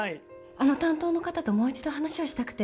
あの担当の方ともう一度話をしたくて。